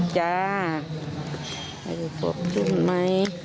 จะจะ